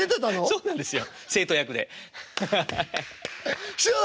そうなんですよ。